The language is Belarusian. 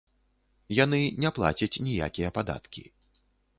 Яны не плацяць ніякія падаткі.